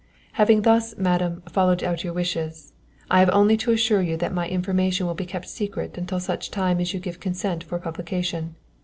_ "_Having thus, madam, followed out your wishes, I have only to assure you that my information will be kept secret until such time as you give consent for publication.